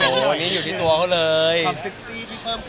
ความซึกซี่ที่เพิ่มขึ้นมา